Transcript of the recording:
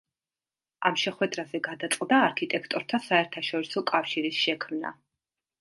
ამ შეხვედრაზე, გადაწყდა „არქიტექტორთა საერთაშორისო კავშირის“ შექმნა.